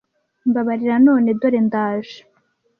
Mbabarira none dore ndaje